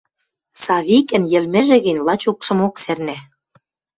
Савикӹн йӹлмӹжӹ гӹнь лачокшымок сӓрнӓ.